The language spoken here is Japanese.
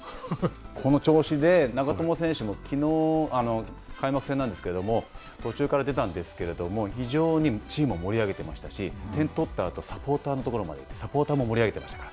この調子で、長友選手も、きのう開幕戦なんですけれども、途中から出たんですけど、非常にチームを盛り上げていましたし、点を取ったあと、サポーターのところまで、サポーターも盛り上げていましたから。